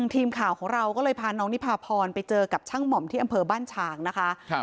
ทีมข่าวของเราก็เลยพาน้องนิพาพรไปเจอกับช่างหม่อมที่อำเภอบ้านฉางนะคะ